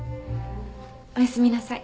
おやすみなさい。